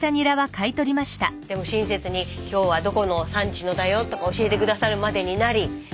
でも親切に今日はどこの産地のだよとか教えて下さるまでになり。